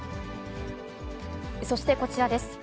そしてこちらです。